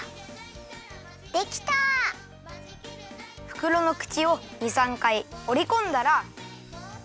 ふくろのくちを２３かいおりこんだら。